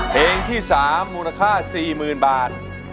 เพลงที่๓มูลค่า๔๐๐๐บาท